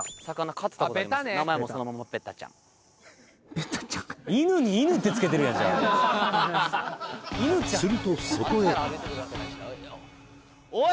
・ベタちゃんするとそこへおい！